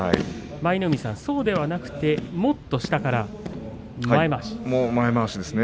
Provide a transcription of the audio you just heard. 舞の海さん、そうではなくもっと下からですか？